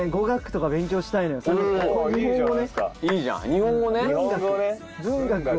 日本語ね。